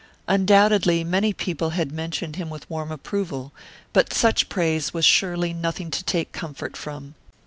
Undoubtedly many people had mentioned him with warm approval. But such praise was surely nothing to take comfort from.